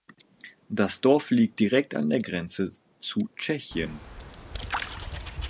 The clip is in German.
Das Dorf liegt direkt an der Grenze zu Tschechien.